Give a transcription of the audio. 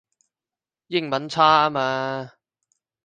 英文差吖嘛